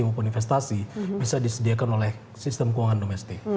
maupun investasi bisa disediakan oleh sistem keuangan domestik